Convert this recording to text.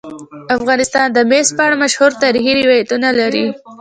افغانستان د مس په اړه مشهور تاریخی روایتونه لري.